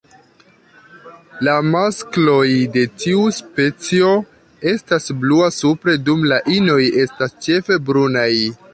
La maskloj de tiu specio estas blua supre, dum la inoj estas ĉefe brunaj.